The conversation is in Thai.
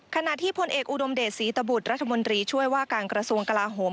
ขณะที่พลเอกอุดมเดชศรีตบุตรรัฐมนตรีช่วยว่าการกระทรวงกลาโหม